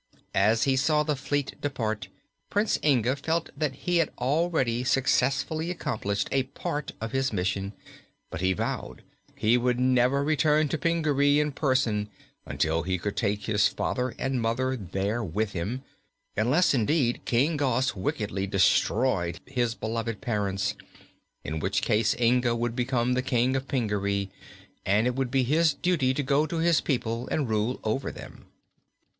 As he saw the fleet depart, Prince Inga felt that he had already successfully accomplished a part of his mission, but he vowed he would never return to Pingaree in person until he could take his father and mother there with him; unless, indeed, King Gos wickedly destroyed his beloved parents, in which case Inga would become the King of Pingaree and it would be his duty to go to his people and rule over them.